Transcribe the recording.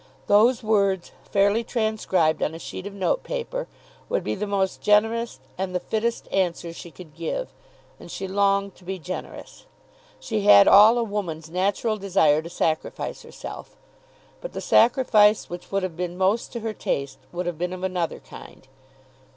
Those words, fairly transcribed on a sheet of note paper, would be the most generous and the fittest answer she could give. And she longed to be generous. She had all a woman's natural desire to sacrifice herself. But the sacrifice which would have been most to her taste would have been of another kind.